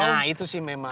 nah itu sih memang